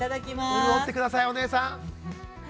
◆潤ってください、お姉さん。